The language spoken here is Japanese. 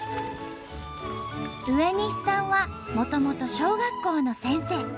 植西さんはもともと小学校の先生。